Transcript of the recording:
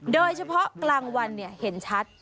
โดยเฉพาะกลางวันเห็นชัด